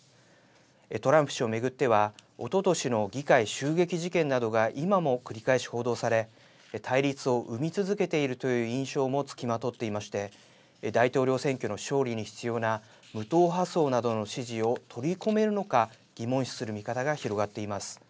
トランプ氏を巡ってはおととしの議会襲撃事件などが今も繰り返し報道され対立を生み続けているという印象も付きまとっていまして大統領選挙の勝利に必要な無党派層などの支持を取り込めるのか疑問視する見方が広がっています。